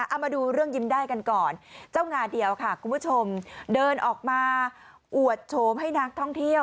เอามาดูเรื่องยิ้มได้กันก่อนเจ้างาเดียวค่ะคุณผู้ชมเดินออกมาอวดโฉมให้นักท่องเที่ยว